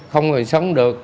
không còn sống được